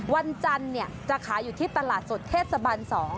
วันจันทร์จะขายอยู่ที่ตลาดสดเทศบาล๒